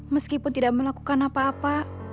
meskipun tidak melakukan apa apa